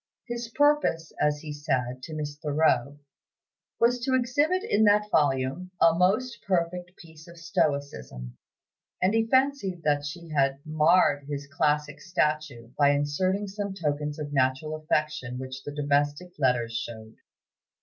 His purpose, as he said to Miss Thoreau, was to exhibit in that volume "a most perfect piece of stoicism," and he fancied that she had "marred his classic statue" by inserting some tokens of natural affection which the domestic letters showed.